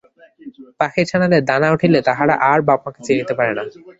পাখীর ছানাদের ডানা উঠিলে তাহারা আর বাপ-মাকে চিনিতে পারে না।